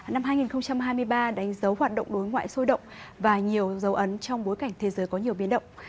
năm hai nghìn hai mươi ba đánh dấu hoạt động đối ngoại sôi động và nhiều dấu ấn trong bối cảnh thế giới có nhiều biến động